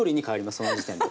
その時点で。